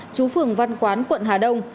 chú phường văn quán quận hà đông